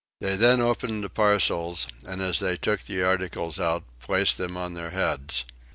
They then opened the parcels and, as they took the articles out, placed them on their heads.